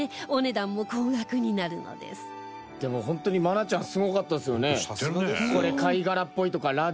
でも本当に愛菜ちゃんすごかったですよね。